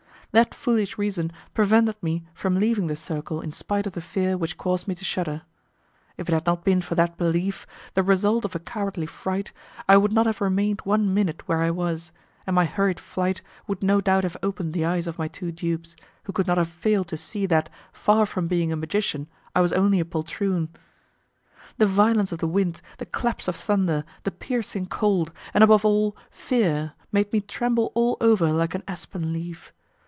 That foolish reason prevented me from leaving the circle in spite of the fear which caused me to shudder. If it had not been for that belief, the result of a cowardly fright, I would not have remained one minute where I was, and my hurried flight would no doubt have opened the eyes of my two dupes, who could not have failed to see that, far from being a magician, I was only a poltroon. The violence of the wind, the claps of thunder, the piercing cold, and above all, fear, made me tremble all over like an aspen leaf.